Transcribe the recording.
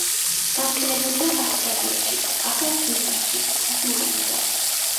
გავრცელებულია ავსტრალიაში, ახალ გვინეაში, ტასმანიაზე.